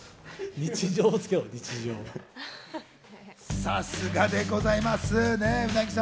さすがでございますね、鰻さん。